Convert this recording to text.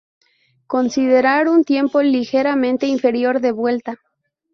Considerar un tiempo ligeramente inferior de vuelta.